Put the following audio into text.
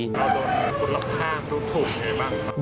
เราโดนคุณรับภาพดูถูกอย่างไรบ้างครับ